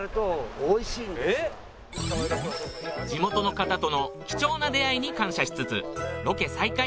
地元の方との貴重な出会いに感謝しつつロケ再開